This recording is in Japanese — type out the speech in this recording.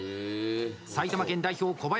埼玉県代表、小林。